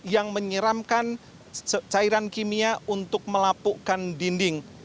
yang menyeramkan cairan kimia untuk melapukkan dinding